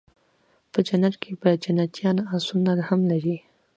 په جنت کي به جنيان آسونه هم لري